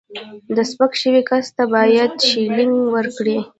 د سپک شوي کس ته باید شیلینګ ورکړي.